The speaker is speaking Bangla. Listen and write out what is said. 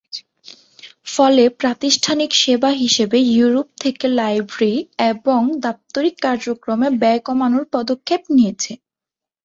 ফলে, প্রাতিষ্ঠানিক সেবা হিসেবে ইউরোপ থেকে লাইব্রেরী এবং দাপ্তরিক কার্যক্রমে ব্যয় কমানোর পদক্ষেপ নিয়েছে।